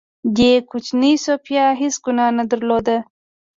دې کوچنۍ سوفیا هېڅ ګناه نه درلوده